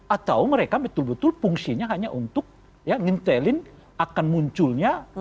atau mereka betul betul fungsinya hanya untuk ngintelin akan munculnya